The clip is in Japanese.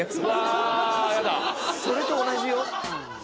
それと同じよ。